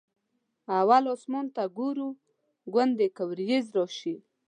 اول اسمان ته ګورو ګوندې که ورېځ راشي.